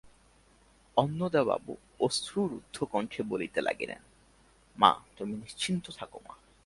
অন্নদাবাবু অশ্রুরুদ্ধ কণ্ঠে বলিতে লাগিলেন, মা, তুমি নিশ্চিন্ত থাকো মা!